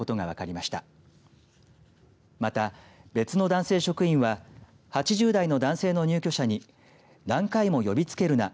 また、別の男性職員は８０代の男性の入居者に何回も呼びつけるな。